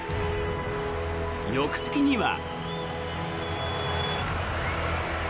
翌月には。